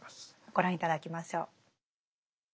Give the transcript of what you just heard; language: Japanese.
ご覧頂きましょう。